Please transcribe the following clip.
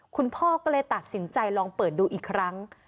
คุณพ่อก็เลยตัดสินใจลองเปิดดูอีกครั้ง